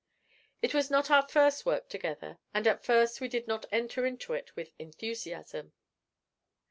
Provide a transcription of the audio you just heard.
It was not our first work together, and at first we did not enter into it with enthusiasm.